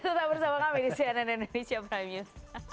tetap bersama kami di cnn indonesia prime news